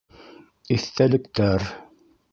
Иҫтәлектәр